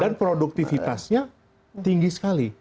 dan produktivitasnya tinggi sekali